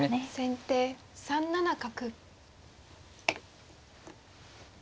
先手３七角。